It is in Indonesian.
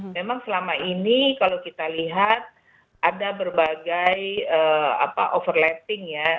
memang selama ini kalau kita lihat ada berbagai overlapping ya